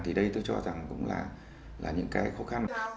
thì đây tôi cho rằng cũng là những cái khó khăn